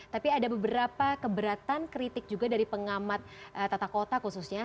tapi ada beberapa keberatan kritik juga dari pengamat tata kota khususnya